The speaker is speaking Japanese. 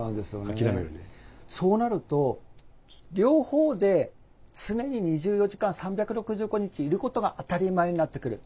そうなると両方で常に２４時間３６５日いることが当たり前になってくる。